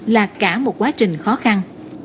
là cả một quá trình khó khăn